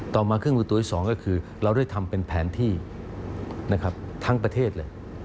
ต่อมาเครื่องมือตัวอีกสองก็คือเราได้ทำเป็นแผนที่ทั้งประเทศเลย